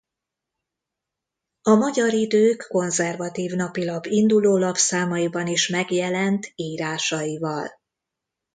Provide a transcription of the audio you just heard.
A Magyar Idők konzervatív napilap induló lapszámaiban is megjelent írásaival.